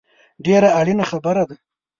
ډېره اړینه خبره ده